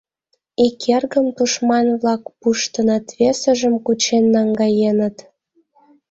Ик эргым тушман-влак пуштыныт, весыжым кучен наҥгаеныт.